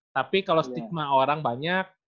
tapi kalau stigma orang banyak